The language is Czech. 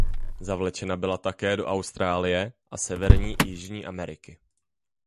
Zavlečena byla také do Austrálie a Severní i Jižní Ameriky.